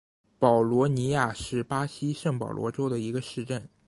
保利尼亚是巴西圣保罗州的一个市镇。